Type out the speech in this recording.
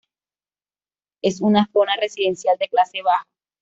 Es una zona residencial de clase baja.